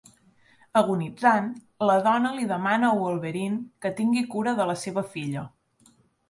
Agonitzant, la dona li demana a Wolverine que tingui cura de la seva filla.